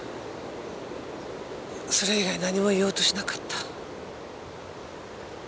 それ以外何も言おうとしなかった。